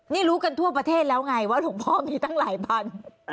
นี่รู้กันทั่วประเทศแล้วไงว่าหลวงพ่อมีตั้งหลายพัน